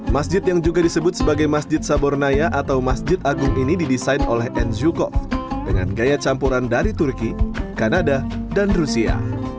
masjid yang juga disebut sebagai masjid sabornaya atau masjid agung ini didesain oleh enzukov dengan gaya campuran dari turki kanada dan rusia